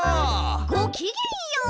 ごきげんよう！